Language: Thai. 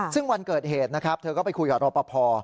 ซึ่งวันเกิดเหตุนะครับเธอก็ไปคุยกับรอปภ